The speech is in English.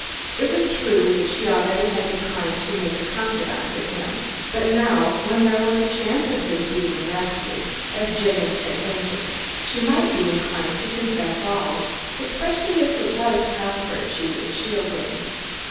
It was true that she already had declined to make a confidant of him, but now, when there was a chance of his being arrested as Jennings had hinted she might be inclined to confess all, especially if it was Cuthbert she was shielding.